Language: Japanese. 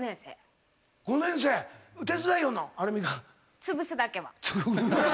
つぶすだけは。